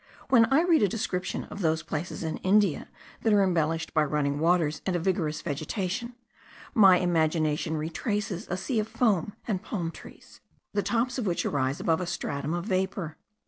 When I read a description of those places in India that are embellished by running waters and a vigorous vegetation, my imagination retraces a sea of foam and palm trees, the tops of which rise above a stratum of vapour.